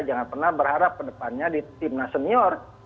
jangan pernah berharap pendepannya di tim nasional